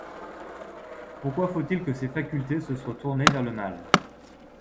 Pourquoi faut-il que ses facultés se soient tournées vers le mal!